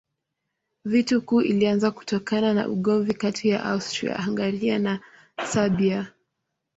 Vita Kuu ilianza kutokana na ugomvi kati ya Austria-Hungaria na Serbia.